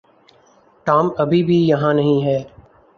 Tom ابھی بھی یہاں نہیں ہے۔